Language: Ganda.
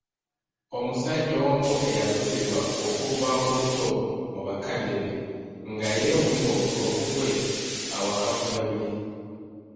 Omusajja omu eyakuzibwa okuva mu buto mu bakadde be nga ye omulimu ogugwe awaka kulya buli.